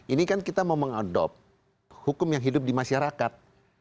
ini kan kita mau mengadopt hukum yang hidup di masyarakat